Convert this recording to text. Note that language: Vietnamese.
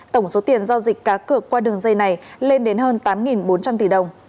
tổng số tiền giao dịch cá cược qua đường dây này lên đến hơn tám bốn trăm linh tỷ đồng